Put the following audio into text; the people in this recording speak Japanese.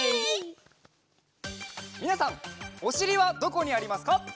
みなさんおしりはどこにありますか？